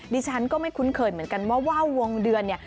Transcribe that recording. ดิฉันก็ไม่คุ้นเขินเหมือนกันว่าวววงเดือน